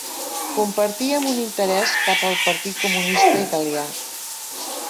Compartíem un interès cap al Partit Comunista Italià.